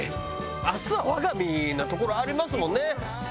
あすはわが身みたいなところはありますもんね。